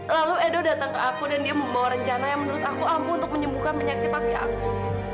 lalu edo datang ke aku dan dia membawa rencana yang menurut aku ampuh untuk menyembuhkan penyakit api aku